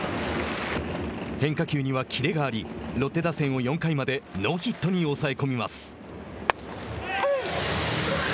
変化球にはキレがありロッテ打線を４回までノーヒットに抑え込みます。